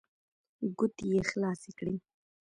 ګوتې يې خلاصې کړې.